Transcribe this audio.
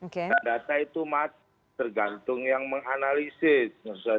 dan data itu masih tergantung yang menganalisis